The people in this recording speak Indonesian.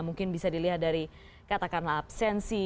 mungkin bisa dilihat dari katakanlah absensi